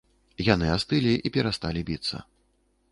Яны астылі і перасталі біцца.